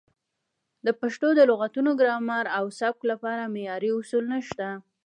د پښتو د لغتونو، ګرامر او سبک لپاره معیاري اصول نشته.